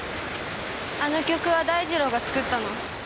あの曲は大二郎が作ったの。